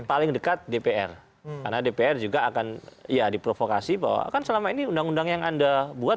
paling dekat dpr karena dpr juga akan ya diprovokasi bahwa kan selama ini undang undang yang anda buat